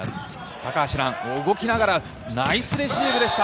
高橋藍動きながらナイスレシーブでした。